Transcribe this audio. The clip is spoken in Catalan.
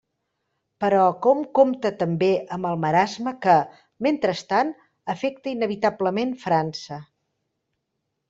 Però que hom compte també amb el marasme que, mentrestant, afecta inevitablement França.